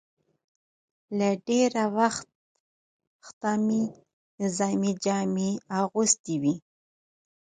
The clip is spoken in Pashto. له ډېره وخته مې نظامي جامې اغوستې وې.